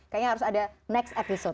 kayaknya harus ada next episode